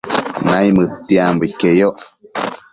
Naimëdtiambo iqueyoc